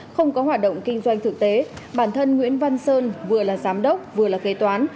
không có hoạt động kinh doanh thực tế bản thân nguyễn văn sơn vừa là giám đốc vừa là kế toán